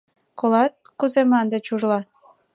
— Колат, кузе мланде чужла?